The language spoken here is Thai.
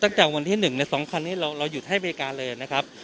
อ๋อตั้งจากวันที่หนึ่งในสองคันนี้เราเราหยุดให้บริการเลยนะครับ